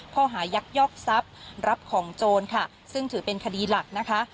ยักยอกทรัพย์รับของโจรค่ะซึ่งถือเป็นคดีหลักนะคะ